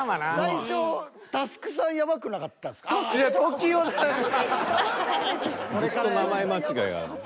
最初［ずっと名前間違いがある］